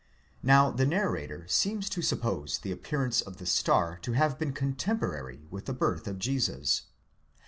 Now the narrator seems to suppose the appearance of the star to have been. cotemporary with the birth of Jesus.